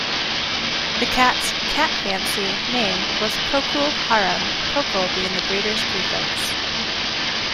The cat's "Cat Fancy" name was Procul Harun, Procul being the breeder's prefix.